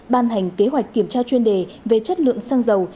ban hành kế hoạch kiểm tra chuyên đề về chất lượng xăng dầu